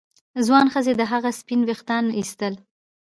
ځوانې ښځې د هغه سپین ویښتان ایستل.